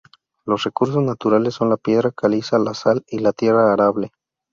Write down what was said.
Los recursos naturales son la piedra caliza, la sal y la tierra arable.